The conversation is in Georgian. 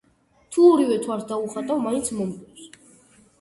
თუ ორივე თვალს დავუხატავ, მაინც მომკლავს